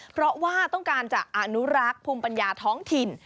เพราะว่าต้องการจะอนุรักษ์ภูมิปัญญาท้องถิ่น